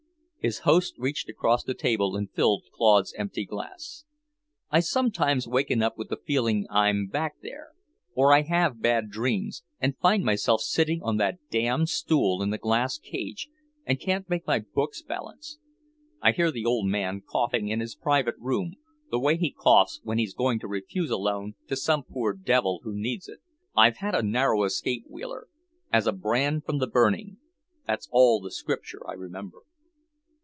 His host reached across the table and filled Claude's empty glass. "I sometimes waken up with the feeling I'm back there. Or I have bad dreams, and find myself sitting on that damned stool in the glass cage and can't make my books balance; I hear the old man coughing in his private room, the way he coughs when he's going to refuse a loan to some poor devil who needs it. I've had a narrow escape, Wheeler; 'as a brand from the burning'. That's all the Scripture I remember."